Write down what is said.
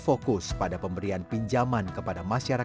inilah awal dari pembentukan kelompok humaniora